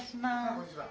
こんにちは。